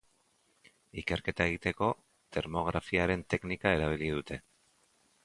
Ikerketa egiteko, termografiaren teknika erabili dute.